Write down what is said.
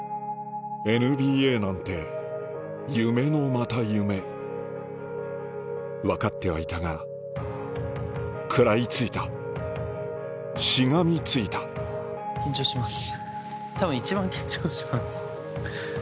ＮＢＡなんて夢のまた夢分かってはいたが食らいついたしがみついた緊張してます。